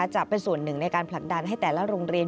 จะเป็นส่วนหนึ่งในการผลักดันให้แต่ละโรงเรียน